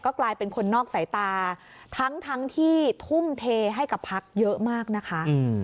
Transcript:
กลายเป็นคนนอกสายตาทั้งที่ทุ่มเทให้กับพักเยอะมากนะคะ